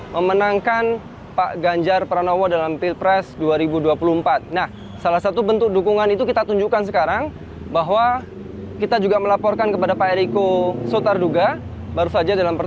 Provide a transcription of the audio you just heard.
pemuda pemuda dan olahraga pdi perjuangan eriko sotak duga